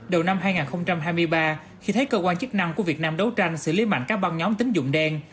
đầu năm hai nghìn hai mươi ba khi thấy cơ quan chức năng của việt nam đấu tranh xử lý mạnh các băng nhóm tính dụng đen